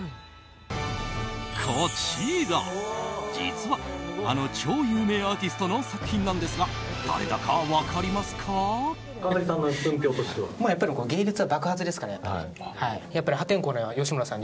こちら、実はあの超有名アーティストの作品なんですが誰だか分かりますか？